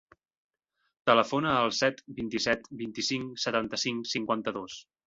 Telefona al set, vint-i-set, vint-i-cinc, setanta-cinc, cinquanta-dos.